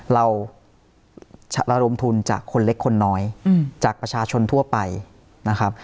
เราระดมทุนจากคนเล็กคนน้อยจากประชาชนทั่วไปนะครับ